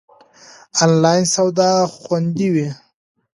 آنلاین سودا خوندی وی؟